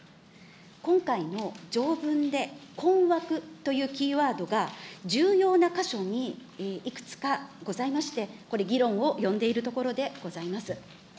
今回の条文で、困惑というキーワードが重要な箇所にいくつかございまして、これ、議論を呼んでいるところでございます。